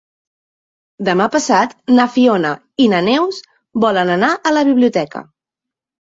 Demà passat na Fiona i na Neus volen anar a la biblioteca.